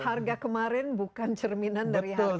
harga kemarin bukan cerminan dari harga